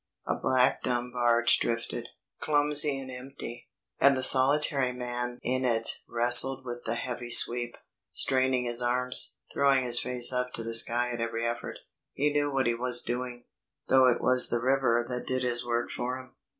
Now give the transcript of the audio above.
A black dumb barge drifted, clumsy and empty, and the solitary man in it wrestled with the heavy sweep, straining his arms, throwing his face up to the sky at every effort. He knew what he was doing, though it was the river that did his work for him.